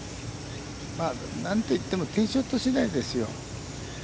まあ、何といってもティーショット次第ですよ。